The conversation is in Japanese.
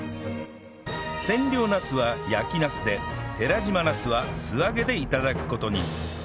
千両ナスは焼きナスで寺島ナスは素揚げで頂く事に